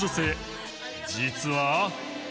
実は。